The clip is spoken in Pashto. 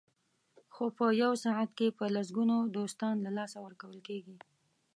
خو په یو ساعت کې په لسګونو دوستان له لاسه ورکول کېږي.